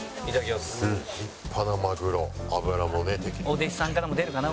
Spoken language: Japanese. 「お弟子さんからも出るかな？